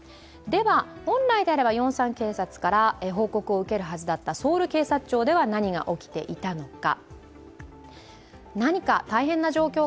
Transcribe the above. では、本来であればヨンサン警察から報告を受けるべきだったソウル警察庁では何が起きていたのか。